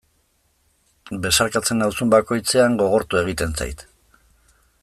Besarkatzen nauzun bakoitzean gogortu egiten zait.